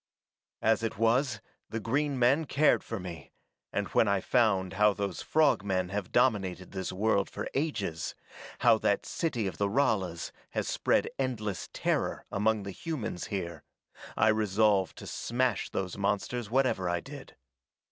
"As it was, the green men cared for me, and when I found how those frog men have dominated this world for ages, how that city of the Ralas has spread endless terror among the humans here, I resolved to smash those monsters whatever I did.